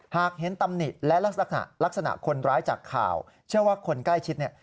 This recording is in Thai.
หากเห็นตำหนิและลักษณะคนร้ายจากข่าวเชื่อว่าคนใกล้ชิดเนี่ย